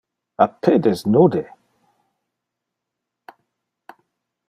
A pedes nude!